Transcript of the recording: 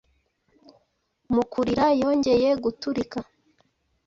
Mu kurira Yongeye guturika.